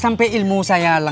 sampenya gue gak ada ide